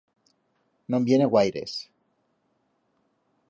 No'n viene guaires.